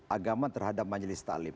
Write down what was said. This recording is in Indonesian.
agama terhadap majelis talim